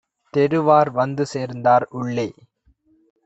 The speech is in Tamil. தெருவார் வந்து சேர்ந்தார் உள்ளே.